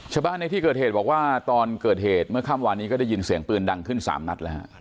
ในที่เกิดเหตุบอกว่าตอนเกิดเหตุเมื่อค่ำวานนี้ก็ได้ยินเสียงปืนดังขึ้น๓นัดแล้วฮะ